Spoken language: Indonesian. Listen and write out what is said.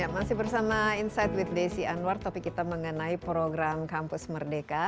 masih bersama insight with desi anwar topik kita mengenai program kampus merdeka